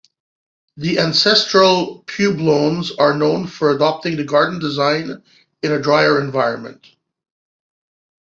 The Ancestral Puebloans are known for adopting this garden design in a drier environment.